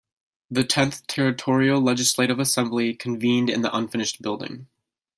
The Tenth Territorial Legislative Assembly convened in the unfinished building.